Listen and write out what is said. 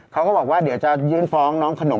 เขาก็บอกว่าเดี๋ยวจะยื่นฟ้องน้องขนม